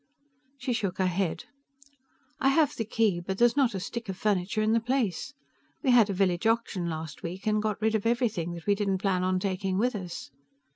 She shook her head. "I have the key, but there's not a stick of furniture in the place. We had a village auction last week and got rid of everything that we didn't plan on taking with us."